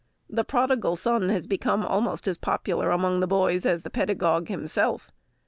The prodigal son has become almost as popular among the boys as the pedagogue himself.